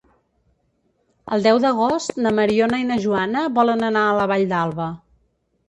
El deu d'agost na Mariona i na Joana volen anar a la Vall d'Alba.